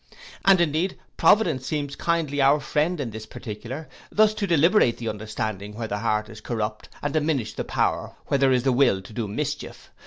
And indeed Providence seems kindly our friend in this particular, thus to debilitate the understanding where the heart is corrupt, and diminish the power where there is the will to do mischief.